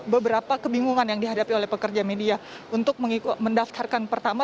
beberapa kebingungan yang dihadapi oleh pekerja media untuk mendaftarkan pertama